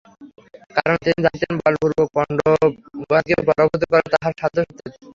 কারণ, তিনি জানিতেন বলপূর্বক পাণ্ডবগণকে পরাভূত করা তাঁহার সাধ্যাতীত।